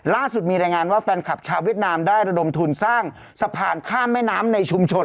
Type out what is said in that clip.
ล่าสุดมีรายงานว่าแฟนคลับชาวเวียดนามได้ระดมทุนสร้างสะพานข้ามแม่น้ำในชุมชน